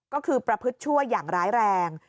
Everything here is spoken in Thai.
ก็คือประพฤติชั่วอย่างร้ายแรง